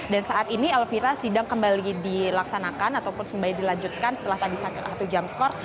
dan saat ini elvira sidang kembali dilaksanakan ataupun sembahy dilanjutkan setelah tadi satu jam skor